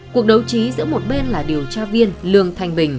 cuộc đấu trí giữa một bên là điều tra viên lương thanh bình